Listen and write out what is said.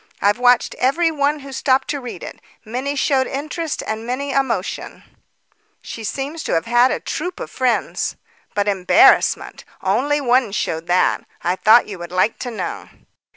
I've watched every one who stopped to read it. Many showed interest and many, emotion; she seems to have had a troop of friends. But embarrassment! only one showed that. I thought you would like to know."